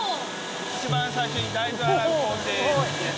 一番最初に大豆洗う工程です。